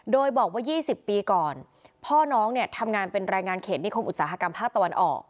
โดยบอกว่า๒๐ปีก่อนพ่อน้องเนี่ยทำงานเป็นรายงานเขตนิคมอุตสาหกรรมภาคตะวันออก